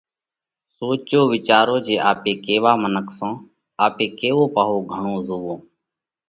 سوچو وِيچارو جي آپي ڪيوا منک سون؟ آپي ڪيوو پاهو گھڻو زوئونه؟